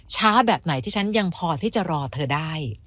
แบบไหนที่ฉันยังพอที่จะรอเธอได้